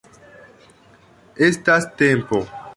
Estas tempo!